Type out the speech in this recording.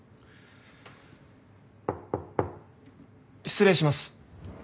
失礼します。